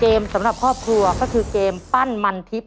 เกมสำหรับภอพลัวก็คือเกมปั้นมันทิป